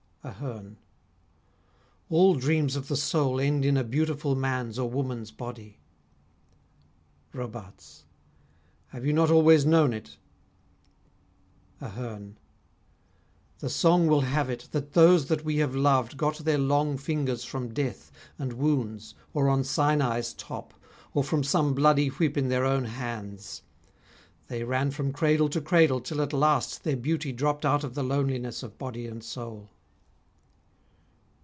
AHERNE All dreams of the soul End in a beautiful man's or woman's body. ROBARTES Have you not always known it? AHERNE The song will have it That those that we have loved got their long fingers From death, and wounds, or on Sinai's top, Or from some bloody whip in their own hands. They ran from cradle to cradle till at last Their beauty dropped out of the loneliness Of body and soul.